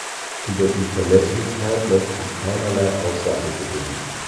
Über die Verlässlichkeit lässt sich keinerlei Aussage gewinnen.